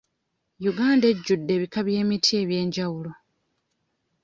Uganda ejjudde ebika by'emiti eby'enjawulo.